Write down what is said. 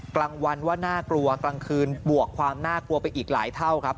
กลางวันว่าน่ากลัวกลางคืนบวกความน่ากลัวไปอีกหลายเท่าครับ